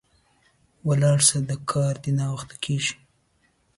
ولاړ سه، د کار دي ناوخته کیږي